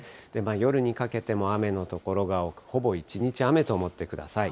夜にかけても雨の所が多く、ほぼ一日雨と思ってください。